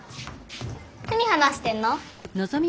何話してんの？